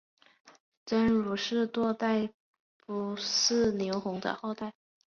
僧孺是隋代仆射牛弘的后代。